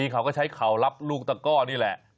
เขาก็ใช้เข่ารับลูกตะก้อนี่แหละ